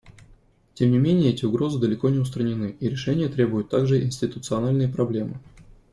Тем не менее, эти угрозы далеко не устранены, и решения требуют также институциональные проблемы.